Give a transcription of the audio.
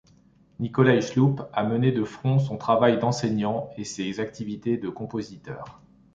Nicolaï Schlup a mené de front son travail d'enseignant et ses activités de compositeur.